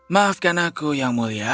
maafkan aku yang mulia